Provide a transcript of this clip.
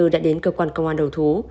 đã đến cơ quan công an đầu thú